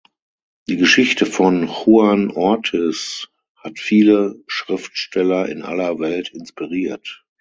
Die Geschichte von Juan Ortiz hat viele Schriftsteller in aller Welt inspiriert.